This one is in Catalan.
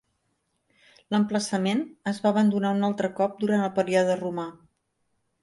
L"emplaçament es va abandonar un altre cop durant el període romà.